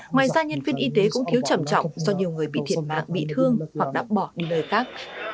ngoài ra nhân viên y tế cũng thiếu trầm trọng do nhiều người bị thiệt mạng bị thương hoặc đã bỏ đi nơi khác